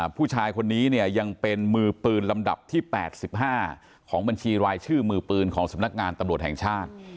ผู้ชายคนนี้เนี่ยยังเป็นมือปืนลำดับที่๘๕ของบัญชีรายชื่อมือปืนของสำนักงานตำรวจแห่งชาติ